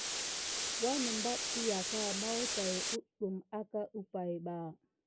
Wanəmbat əyaka mawu tat kudume aka umpay ba.